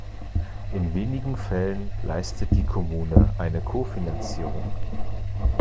In wenigen Fällen leistet die Kommune eine Kofinanzierung.